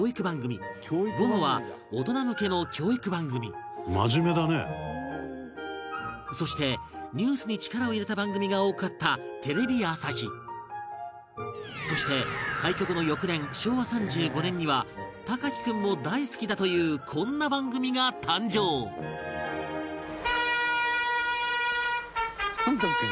午後は、大人向けの教育番組そして、ニュースに力を入れた番組が多かった、テレビ朝日そして、開局の翌年昭和３５年には隆貴君も大好きだというこんな番組が誕生伊達：なんだっけ？